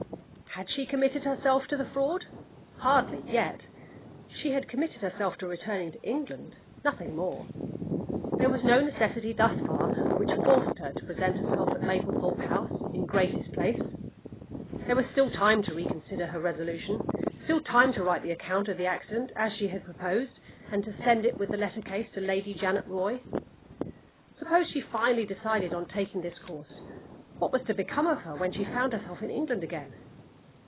Had she committed herself to the fraud? Hardly, yet. She had committed herself to returning to England nothing more. There was no necessity, thus far, which forced her to present herself at Mablethorpe House, in Grace's place. There was still time to reconsider her resolution still time to write the account of the accident, as she had proposed, and to send it with the letter case to Lady Janet Roy. Suppose she finally decided on taking this course, what was to become of her when she found herself in England again?